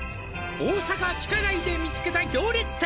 「大阪地下街で見つけた行列店」